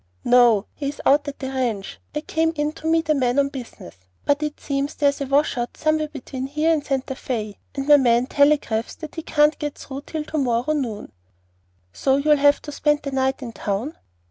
"No; he is out at the ranch. I came in to meet a man on business; but it seems there's a wash out somewhere between here and Santa Fé, and my man telegraphs that he can't get through till to morrow noon." "So you will spend the night in town."